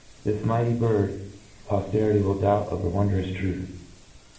The mighty bird, pofterity will doubt of the wondrous truth!